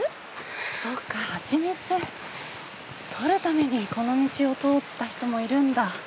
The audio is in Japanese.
そっか蜂蜜を採るためにこの道を通った人もいるんだ。